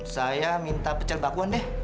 saya minta pecel bakwan deh